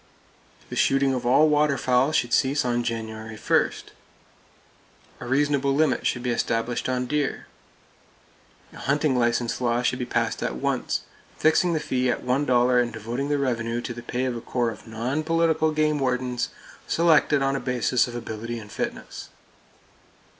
The shooting of all water fowl should cease on January 1. A reasonable limit should be established on deer. A hunting license law should be passed at once, fixing the fee at $1 and devoting the revenue to the pay of a corps of non political game wardens, selected on a basis of ability and fitness.